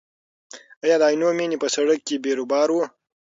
ایا د عینومېنې په سړک کې بیروبار و؟